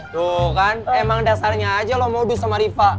tuh kan emang dasarnya aja lo modus sama riva